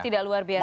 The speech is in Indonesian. tidak luar biasa